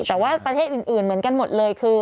แต่ว่าประเทศอื่นเหมือนกันหมดเลยคือ